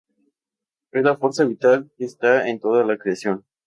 Ella es la fuerza vital que está en toda la creación.